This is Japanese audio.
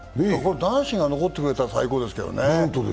男子が残ってくれたら最高ですけどね。